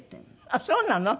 あっそうなの？